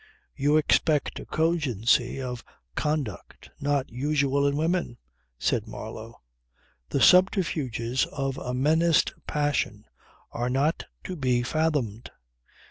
"You expect a cogency of conduct not usual in women," said Marlow. "The subterfuges of a menaced passion are not to be fathomed.